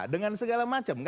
dengan segala macam